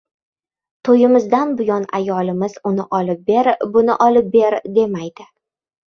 To‘yimizdan buyon ayolimiz uni olib ber-buniolib ber, demaydi.